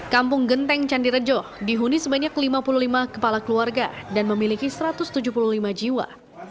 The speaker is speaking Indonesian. kampung genteng candirejo dihuni sebanyak lima puluh lima kepala keluarga dan memiliki satu ratus tujuh puluh lima jiwa